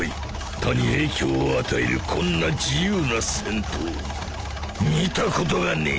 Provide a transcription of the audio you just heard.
他に影響を与えるこんな自由な戦闘見たことがねえ！